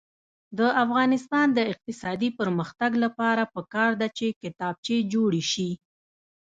د افغانستان د اقتصادي پرمختګ لپاره پکار ده چې کتابچې جوړې شي.